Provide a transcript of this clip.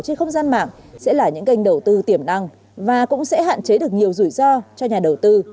trên không gian mạng sẽ là những kênh đầu tư tiềm năng và cũng sẽ hạn chế được nhiều rủi ro cho nhà đầu tư